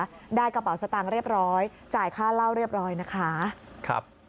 ได้กระเป๋าสตางค์เรียบร้อยจ่ายค่าเหล้าเรียบร้อยนะคะครับ